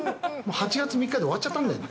８月３日で終わっちゃったんだよね。